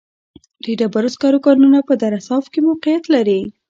د ډبرو سکرو کانونه په دره صوف کې موقعیت لري.